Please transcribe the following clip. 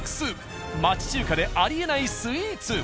町中華でありえないスイーツ。